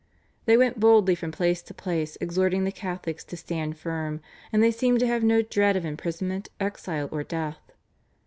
They went boldly from place to place exhorting the Catholics to stand firm, and they seemed to have no dread of imprisonment, exile or death.